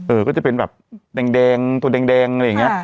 ก็จะเป็นแบบแดงตัวแดงอะไรอย่างนี้